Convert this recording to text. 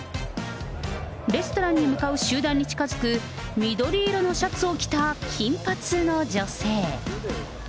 レストランに向かう集団に近づく緑色のシャツを着た金髪の女性。